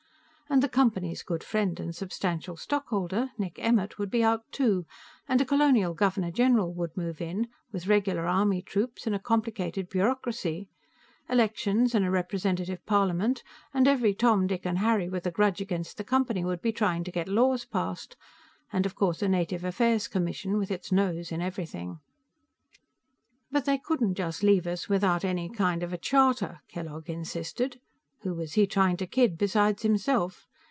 And the Company's good friend and substantial stockholder, Nick Emmert, would be out, too, and a Colonial Governor General would move in, with regular army troops and a complicated bureaucracy. Elections, and a representative parliament, and every Tom, Dick and Harry with a grudge against the Company would be trying to get laws passed And, of course, a Native Affairs Commission, with its nose in everything. "But they couldn't just leave us without any kind of a charter," Kellogg insisted. Who was he trying to kid besides himself?